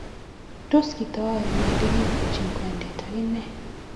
Tos, kitayae ne ndakibuuti kwenyet agenge?